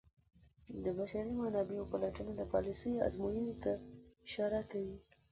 د بشري منابعو پلټنه د پالیسیو ازموینې ته اشاره کوي.